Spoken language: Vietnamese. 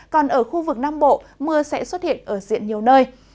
còn ở khu vực nam bộ mưa sẽ xuất hiện ở diện nhiều nơi